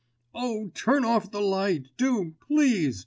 "Oh, turn off the light, do, please!"